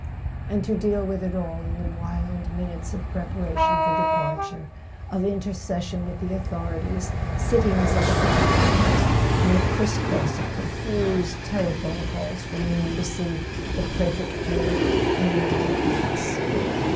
and to deal with it all in the wild minutes [ 267 ] A SON AT THE FRONT of preparation for departure, of intercession with the authorities, sittings at the photographer's, and a criss¬ cross of confused telephone calls from the Embassy, the Prefecture and the War Office.